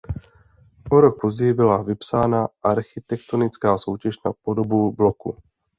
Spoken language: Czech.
O rok později byla vypsána architektonická soutěž na podobu bloku.